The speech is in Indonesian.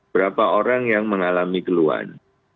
berapa orang yang mengalami keluhan